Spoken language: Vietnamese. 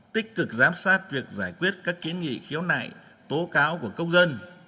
tích cực giám sát việc giải quyết các kiến nghị khiếu nại tố cáo của công dân